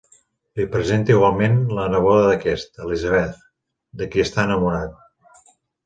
Li presenta igualment la neboda d'aquest, Elizabeth, de qui està enamorat.